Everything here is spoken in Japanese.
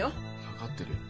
分かってるよ。